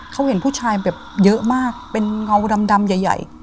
เขาเห็นผู้ชายแบบเยอะมากเป็นเงาดำใหญ่